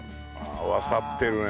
合わさってるね。